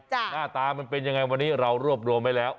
หน้าตามันเป็นยังไงวันนี้เรารวบรวมไว้แล้ว